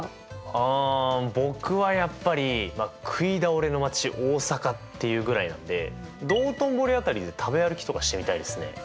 あ僕はやっぱり食い倒れの街大阪っていうぐらいなんで道頓堀辺りで食べ歩きとかしてみたいですね。